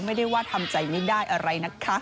ไม่ได้ว่าทำใจไม่ได้อะไรนะคะ